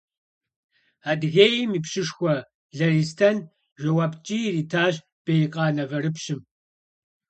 Адыгейм и пщышхуэ Лэристэн жэуап ткӏий иритащ Бейкъан аварыпщым.